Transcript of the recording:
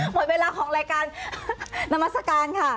หมดเวลาของรายการนามัศกาลค่ะ